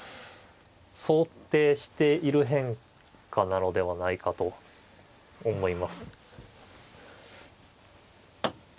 想定している変化なのではないかと思います。